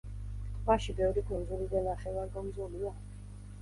ტბაში ბევრი კუნძული და ნახევარკუნძულია.